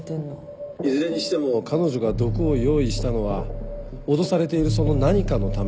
いずれにしても彼女が毒を用意したのは脅されているその何かのためだろうね。